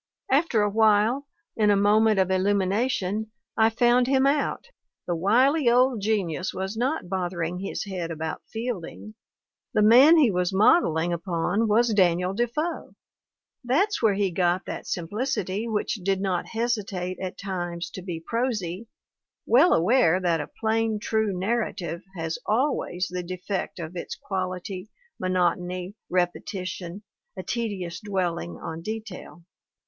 After a while, in a moment of illumination, I found him out. The wily old genius was not bother ing his head about Fielding ; the man he was modeling upon was Daniel Defoe ; that's where he got that sim plicity which did not hesitate at times to be prosy, well aware that a plain true narrative has always the defect of its quality, monotony, repetition, a tedious dwelling on detail.